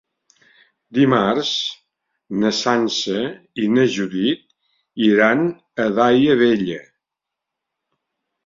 Dimarts na Sança i na Judit iran a Daia Vella.